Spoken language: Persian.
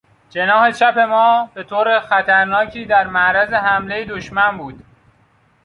جناح چپ ما به طور خطرناکی در معرض حملهی دشمن بود.